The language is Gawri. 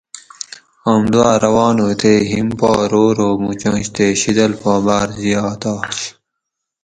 آم دوا روان ہو تے ھِم پا رو رو موچنش تے شیدل پا باۤر زیات آش